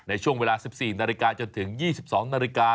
ในช่วงเวลา๑๔นาฬิกาจนถึง๒๒นาฬิกา